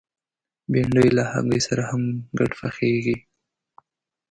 بېنډۍ له هګۍ سره هم ګډ پخېږي